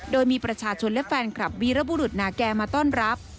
โดยมีประชาชนและแฟนคลับวีรบุรุษนาแก่มาต้อนรับ